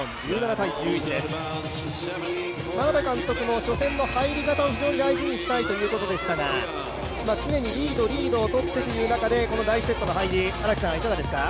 眞鍋監督も初戦の入り方を非常に大事にしたいということでしたが常にリードリードを取ってという中でのこの第１セットの入り、いかがですか？